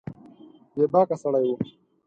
بې باکه سړی و